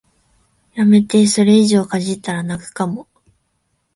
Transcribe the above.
やめて、それ以上いじったら泣くかも